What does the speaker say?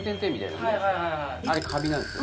あれカビなんですよ